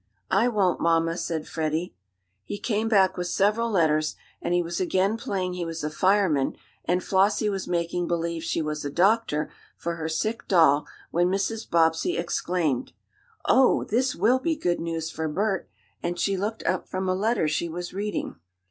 "I won't, mamma," said Freddie. He came back with several letters, and he was again playing he was a fireman, and Flossie was making believe she was a doctor for her sick doll, when Mrs. Bobbsey exclaimed: "Oh, this will be good news for Bert," and she looked up from a letter she was reading.